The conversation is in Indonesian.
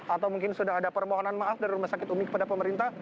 atau mungkin sudah ada permohonan maaf dari rumah sakit umi kepada pemerintah